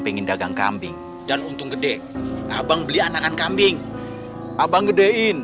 pengen dagang kambing dan untung gede abang beli anakan kambing abang gedein